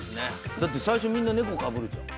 だって最初みんな猫かぶるじゃん。